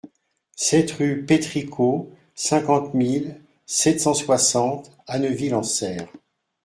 sept rue Pétricot, cinquante mille sept cent soixante Anneville-en-Saire